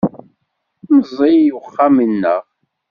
Meẓẓey uxxam-nneɣ.